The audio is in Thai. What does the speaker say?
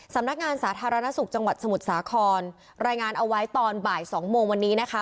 สำนักงานสาธารณสุขจังหวัดสมุทรสาครรายงานเอาไว้ตอนบ่ายสองโมงวันนี้นะคะ